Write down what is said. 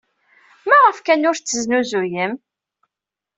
Maɣef kan ur t-tesnuzuyem?